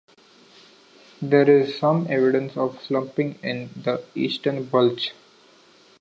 There is some evidence of slumping in the eastern bulge.